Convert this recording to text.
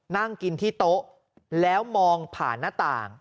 นั่งกินที่โต๊ะแล้วมองผ่านหน้าต่าง